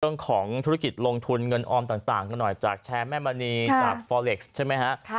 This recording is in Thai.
เรื่องของธุรกิจลงทุนเงินออมต่างกันหน่อยจากแชร์แม่มณีจากฟอเล็กซ์ใช่ไหมฮะ